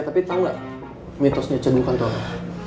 eh tapi tau gak mitosnya cegukan itu apa